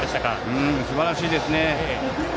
すばらしいですね。